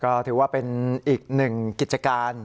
ก็ถือว่าเป็นอีกหนึ่งกิจการ